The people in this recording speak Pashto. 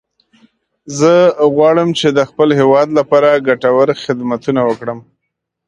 زه غواړم چې د خپل هیواد لپاره ګټور خدمتونه وکړم